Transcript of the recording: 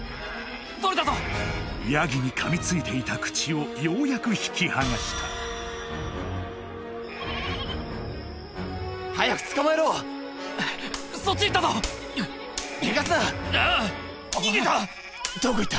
取れたぞヤギに噛みついていた口をようやく引きはがした早く捕まえろそっち行ったぞ逃がすなああ逃げたどこ行った？